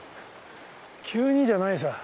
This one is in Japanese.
急にじゃないさ。